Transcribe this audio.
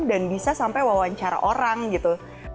dan bisa sampai wawancara orang gitu